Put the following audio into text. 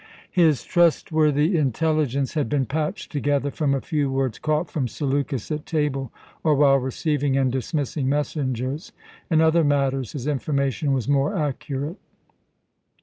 His "trustworthy intelligence" had been patched together from a few words caught from Seleukus at table, or while receiving and dismissing messengers. In other matters his information was more accurate.